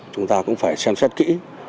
chúng ta cũng phải xem xét kỹ